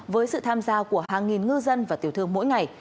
với sự tham gia của hàng nghìn ngư dân và tiểu thương mỗi ngày